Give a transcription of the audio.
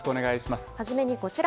初めにこちら。